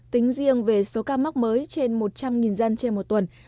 tính riêng về số ca mắc mới trên một trăm linh dân